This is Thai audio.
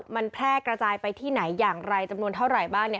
มันแพร่กระจายไปที่ไหนอย่างไรจำนวนเท่าไหร่บ้าง